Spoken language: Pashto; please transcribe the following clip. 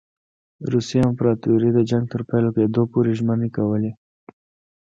روسي امپراطوري د جنګ تر پیل کېدلو پوري ژمنې کولې.